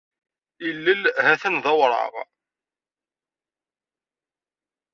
Ilel ha-t-an d awraɣ.